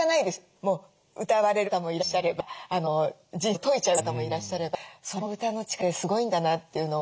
もう歌われる方もいらっしゃれば人生を説いちゃう方もいらっしゃればその歌の力ってすごいんだなっていうのを。